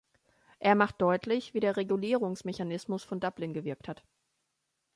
Er macht deutlich, wie der Regulierungsmechanismus von Dublin gewirkt hat.